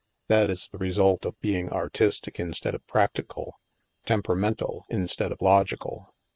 That is the re sult of being " artistic " instead of practical, " tem peramental " instead of logical.